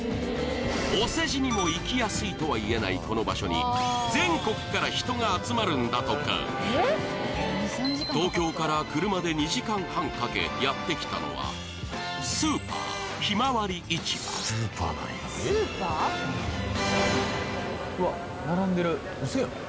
お世辞にも行きやすいとは言えないこの場所に全国から人が集まるんだとか東京から車で２時間半かけやって来たのはスーパーウソやん！